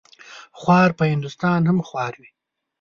خوار په هندوستان هم خوار وي.